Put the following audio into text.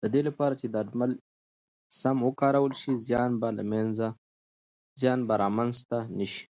د دې لپاره چې درمل سم وکارول شي، زیان به رامنځته نه شي.